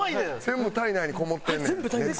全部体内にこもってんねん熱が。